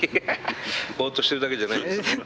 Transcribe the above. ボっとしてるだけじゃないんですね。